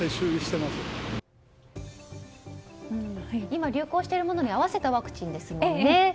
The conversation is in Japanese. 今、流行しているものに合わせたワクチンですもんね。